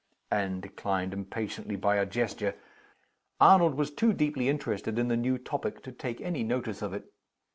Anne declined impatiently, by a gesture. Arnold was too deeply interested in the new topic to take any notice of it.